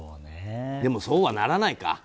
でも、そうはならないか。